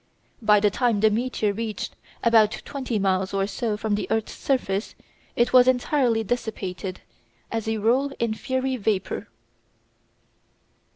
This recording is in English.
By the time the meteor reached about twenty miles or so from the earth's surface it was entirely dissipated, as a rule in fiery vapour.